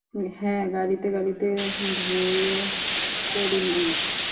হ্যাঁ, গাড়িতে গাড়িতে ধুল পরিমাণ।